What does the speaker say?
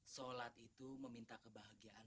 sholat itu meminta kebahagiaan